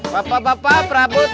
bapak bapak perabot yuk